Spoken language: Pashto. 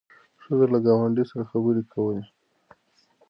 ښځه له ګاونډۍ سره خبرې کولې.